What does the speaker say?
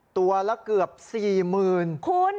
ตัวและเกือบสี่หมื่นคุณ